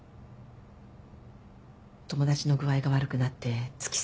友達の具合が悪くなって付き添ってるって。